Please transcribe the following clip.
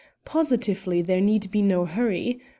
Positively there need be no hurry.